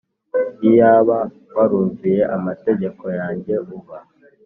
Iyaba warumviye amategeko yanjye uba